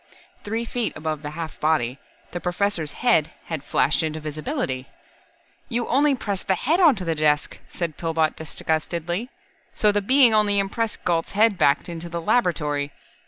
Three feet above the half body, the Professor's head had flashed into visibility. "You only pressed the head onto the desk," said Pillbot disgustedly, "so the Being only impressed Galt's head back into the laboratory.